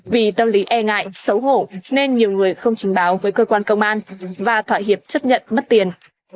vì tâm lý e ngại xấu hổ nên nhiều người không trình báo với cơ quan công an và thoại hiệp chấp nhận mất tiền